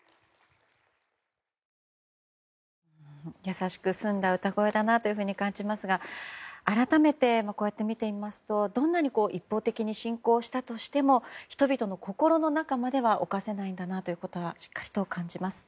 優しく澄んだ歌声だなと感じますが改めてこうやって見ていますとどんなに一方的に侵攻したとしても人々の心の中まではおかせないんだなと感じます。